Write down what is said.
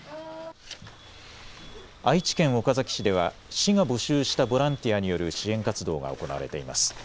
愛知県岡崎市では市が募集したボランティアによる支援活動が行われています。